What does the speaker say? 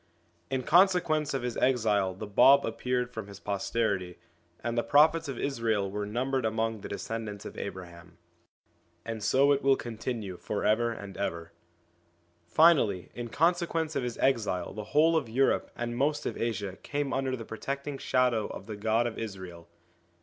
In consequence of his exile the Bab appeared from his posterity, 1 and the Prophets of Israel were numbered among the descendants of Abraham. And so it will continue for ever and ever. Finally, in consequence of his exile the whole of Europe and most of Asia came under the protecting shadow of the God of Israel.